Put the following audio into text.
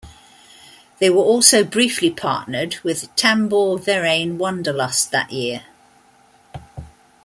They were also briefly partnered with "Tambour-Verein Wanderlust" that year.